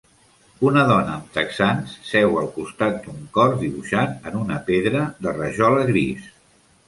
Una dona amb texans seu al costat d'un cor dibuixat en una pedra de rajola gris.